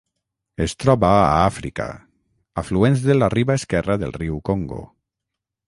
Es troba a Àfrica: afluents de la riba esquerra del riu Congo.